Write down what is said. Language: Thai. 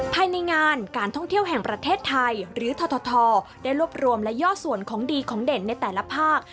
ภายในงานการท่องเที่ยวแห่งประเทศไทยหรือททได้รวบรวมและย่อส่วนของดีของเด่นในแต่ละภาค